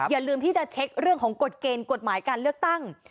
อย่าลืมที่จะเช็คเรื่องของกฎเกณฑ์กฎหมายการเลือกตั้ง